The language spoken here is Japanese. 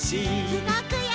うごくよ！